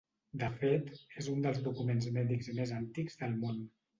De fet, és un dels documents mèdics més antics del món.